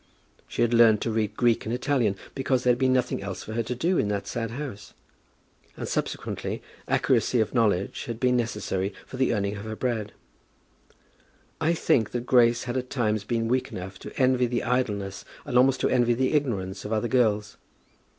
She had learned to read Greek and Italian because there had been nothing else for her to do in that sad house. And, subsequently, accuracy of knowledge had been necessary for the earning of her bread. I think that Grace had at times been weak enough to envy the idleness and almost to envy the ignorance of other girls.